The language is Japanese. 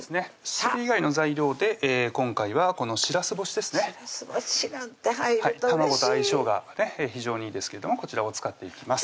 それ以外の材料で今回はこのしらす干しですねしらす干しなんて入るとうれしい卵と相性が非常にいいですけどこちらを使っていきます